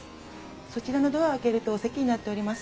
そちらのドアを開けるとお席になっております。